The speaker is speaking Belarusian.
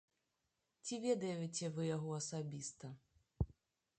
Ці ведаеце вы яго асабіста?